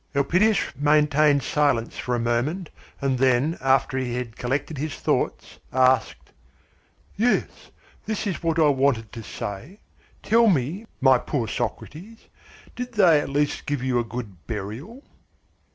Elpidias maintained silence for a moment, and then, after he had collected his thoughts, asked: "Yes, this is what I wanted to say tell me, my poor Socrates, did they at least give you a good burial?"